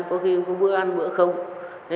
có khi có bữa ăn bữa không